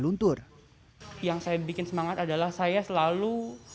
luntur yang saya bikin semangat adalah saya selalu